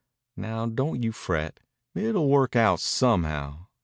Now don't you fret. It'll work out somehow.